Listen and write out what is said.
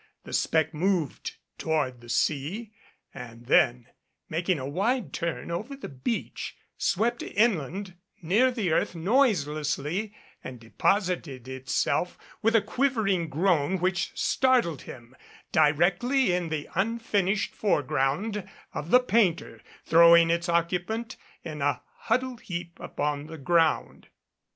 The speck moved toward the sea and then, making a wide turn over the beach, swept inland near the earth noiselessly, and deposited itself with a quivering groan 31 MADCAP which startled him, directly in the unfinished foreground of the painter, throwing its occupant in a huddled heap upon the ground.